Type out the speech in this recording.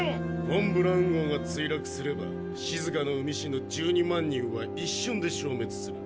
フォン・ブラウン号が墜落すれば静かの海市の１２万人は一瞬で消滅する。